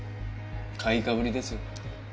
買いかぶりですよ。